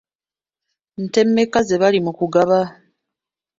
Nte mmeka ze bali mu kugaba?